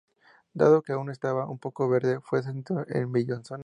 Dado que aún estaba un poco verde, fue cedido al Bellinzona suizo.